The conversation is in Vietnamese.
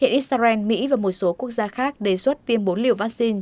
hiện israel mỹ và một số quốc gia khác đề xuất tiêm bốn liều vaccine